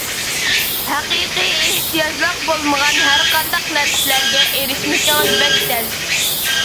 ھەقىقىي ئېھتىياجلىق بولمىغان ھەرقانداق نەرسىلەرگە ئېرىشمىكىڭىز بەك تەس.